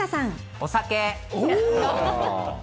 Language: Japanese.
お酒。